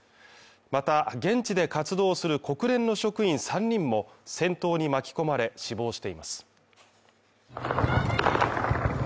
また現地で活動する国連の職員３人も戦闘に巻き込まれ死亡しています。